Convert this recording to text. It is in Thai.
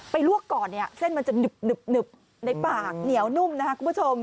ลวกก่อนเนี่ยเส้นมันจะหนึบในปากเหนียวนุ่มนะครับคุณผู้ชม